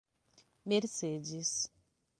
Mercedes